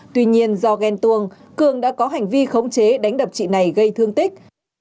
tuy nhiên do ghen tuồng cường đã có hành vi khống chế đánh đập chị này gây thương tích